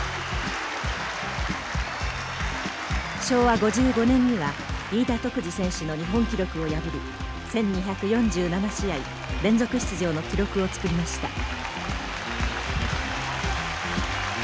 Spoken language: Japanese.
昭和５５年には飯田徳治選手の日本記録を破り１，２４７試合連続出場の記録を作りました。